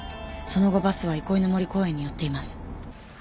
その後バスは憩いの森公園に寄っています。